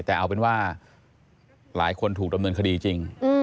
แต่เอาเป็นว่าหลายคนถูกดำเนินคดีจริง